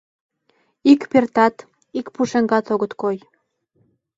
Ик пӧртат, ик пушеҥгат огыт кой.